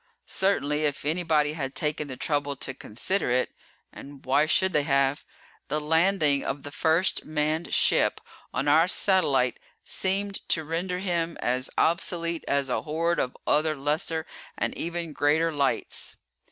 Certainly if anybody had taken the trouble to consider it and why should they have? the landing of the first manned ship on our satellite seemed to render him as obsolete as a horde of other lesser and even greater lights.